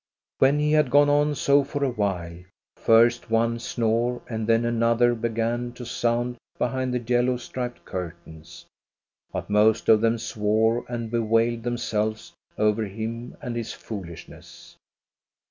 When he had gone on so for a while, first one snore and then another began to sound behind the yellow striped curtains. But most of them swore and bewailed themselves over him and his foolishness.